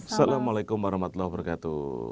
assalamualaikum warahmatullahi wabarakatuh